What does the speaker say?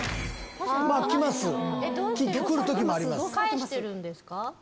返してるんですか？